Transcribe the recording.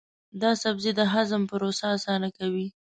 دا سبزی د هضم پروسه اسانه کوي.